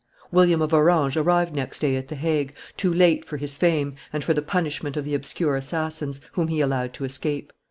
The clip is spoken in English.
William of Orange arrived next day at the Hague, too late for his fame, and for the punishment of the obscure assassins, whom he allowed to escape.